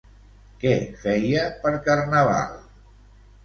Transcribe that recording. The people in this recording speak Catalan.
Què feia per Carnaval?